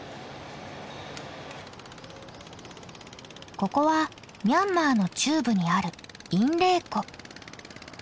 ここはミャンマーの中部にあるインレー湖。